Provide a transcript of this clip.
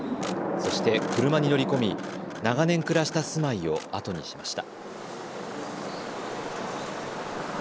そして車に乗り込み長年暮らした住まいを後にしました。